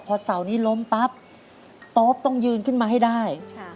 พอเสานี้ล้มปั๊บโต๊ปต้องยืนขึ้นมาให้ได้